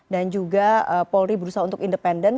dan juga polri berusaha untuk independen